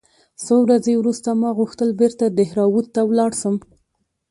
څو ورځې وروسته ما غوښتل بېرته دهراوت ته ولاړ سم.